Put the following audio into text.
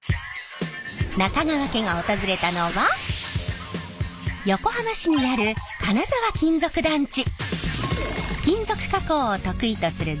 中川家が訪れたのは横浜市にある金沢金属団地。